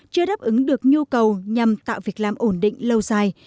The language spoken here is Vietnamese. chưa đáp ứng được nhu cầu nhằm tạo việc làm ổn định lâu dài